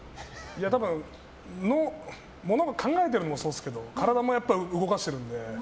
多分ものを考えてるのもそうですけど体も動かしているので。